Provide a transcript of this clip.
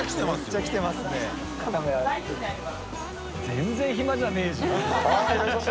全然暇じゃねぇじゃん。